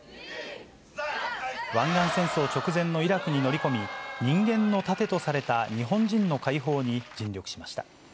湾岸戦争直前のイラクに乗り込み、人間の盾とされた日本人の解放に尽力しました。